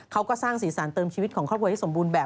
เขาก็สร้างสีสันเติมชีวิตของครอบครัวให้สมบูรณแบบ